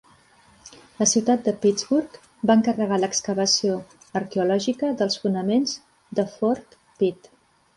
La ciutat de Pittsburgh va encarregar l'excavació arqueològica dels fonaments de Fort Pitt.